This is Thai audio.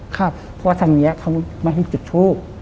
เพราะว่าทางนี้เขามาให้จุดทูบ